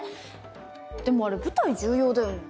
でもあれ舞台重要だよね。